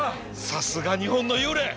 さすが日本の幽霊。